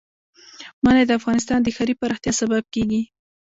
منی د افغانستان د ښاري پراختیا سبب کېږي.